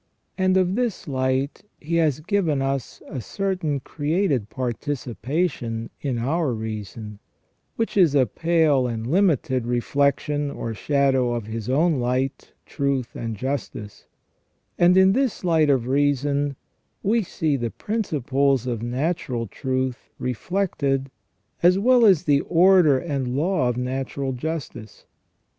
And of this light He has given us a certain created participation in our reason, which is a pale and limited re flection or shadow of His own light, truth, and justice; and in this light of reason we see the principles of natural truth reflected as well as the order and law of natural justice.